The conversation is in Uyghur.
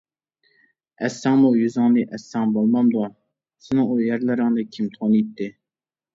ئەتسەڭمۇ يۈزۈڭنى ئەتسەڭ بولمامدۇ، سېنىڭ ئۇ يەرلىرىڭنى كىم تونۇيتتى!